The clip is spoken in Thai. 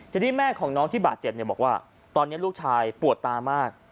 ทีนี้แม่ของน้องที่บาดเจ็บบอกว่าตอนนี้ลูกชายปวดตามาก